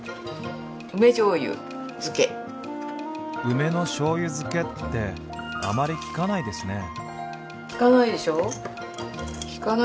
梅のしょうゆ漬けってあまり聞かないですね。